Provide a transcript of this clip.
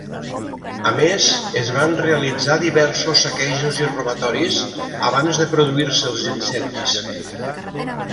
A més es van realitzar diversos saquejos i robatoris abans de produir-se els incendis.